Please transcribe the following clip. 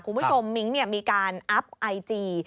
คุณผู้ชมมิ้งมีการอัพไอจี